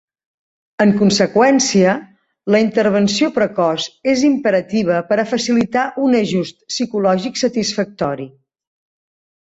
En conseqüència, la intervenció precoç és imperativa per a facilitar un ajust psicològic satisfactori.